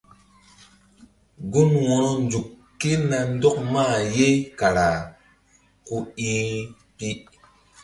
Gun wo̧ronzuk ké na ndɔk mah ye kara ku i pi.